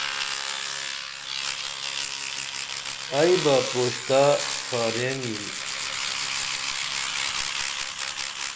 ائی بہ پروشتہ ڇھارین یِم